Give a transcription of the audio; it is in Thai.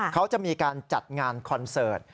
เขาจะมีการจัดงานคอนเสิร์ต